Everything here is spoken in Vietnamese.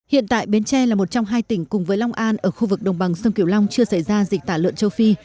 hiện tại bến tre là một trong hai tỉnh cùng với long an ở khu vực đồng bằng sông kiểu long chưa xảy ra dịch tả lợn châu phi